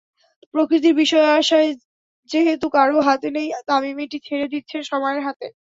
প্রকৃতির বিষয়-আশয় যেহেতু কারও হাতে নেই, তামিম এটি ছেড়ে দিচ্ছেন সময়ের হাতে।